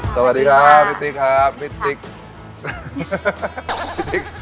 สวัสดีครับพี่ติ๊กครับพี่ติ๊กติ๊ก